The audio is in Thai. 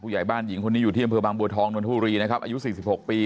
ใหญ่บ้านหญิงคนนี้อยู่ที่อำเภอบางบัวทองนนทบุรีนะครับอายุ๔๖ปี